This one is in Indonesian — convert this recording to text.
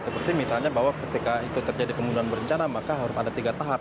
seperti misalnya bahwa ketika itu terjadi pembunuhan berencana maka harus ada tiga tahap